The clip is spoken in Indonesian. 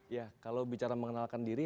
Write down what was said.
ya kalau bicara mengenalkan diri